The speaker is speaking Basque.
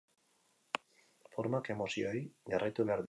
Formak emozioei jarraitu behar die.